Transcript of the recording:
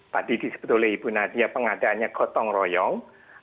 tadi disebut oleh ibu nadia pengadaannya gotong royong